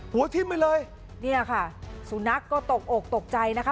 ทิ้มไปเลยเนี่ยค่ะสุนัขก็ตกอกตกใจนะคะ